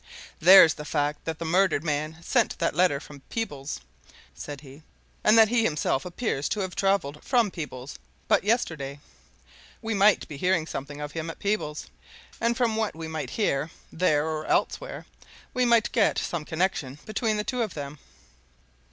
"There's the fact that the murdered man sent that letter from Peebles," said he, "and that he himself appears to have travelled from Peebles but yesterday. We might be hearing something of him at Peebles, and from what we might hear, there or elsewhere, we might get some connection between the two of them."